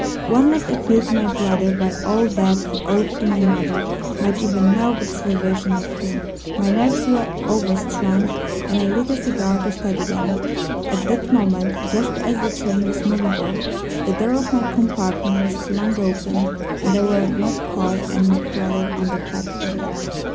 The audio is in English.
One last appeal to my brother by all that he owed to my mother might even now be the salvation of him. My nerves were overstrung, and I lit a cigar to steady them. At that moment, just as the train was moving off, the door of my compartment was flung open, and there were MacCoy and my brother on the platform.